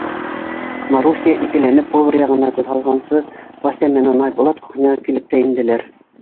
Маруся икеләнеп повар яғына күҙ һалғансы, Вася менән Айбулат кухняға килеп тә инделәр.